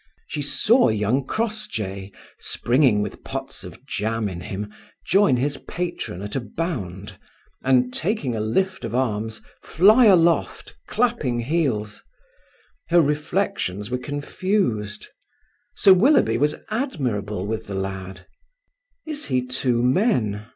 She saw young Crossjay, springing with pots of jam in him, join his patron at a bound, and taking a lift of arms, fly aloft, clapping heels. Her reflections were confused. Sir Willoughby was admirable with the lad. "Is he two men?"